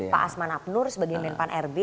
pak asman abnur sebagai menteri pan rb